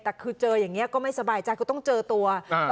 แต่คือเจออย่างนี้ก็ไม่สบายใจก็ต้องเจอตัวอ่า